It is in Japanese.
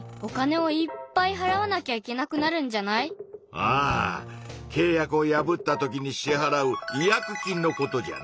ああけい約を破ったときに支はらう「違約金」のことじゃな。